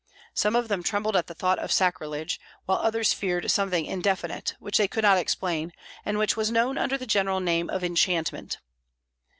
Some of them trembled at the thought of sacrilege, while others feared something indefinite, which they could not explain, and which was known under the general name of enchantment.